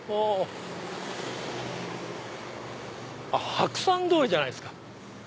白山通りじゃないですか。